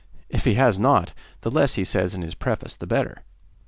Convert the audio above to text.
If he has not, the less he says in his preface the better.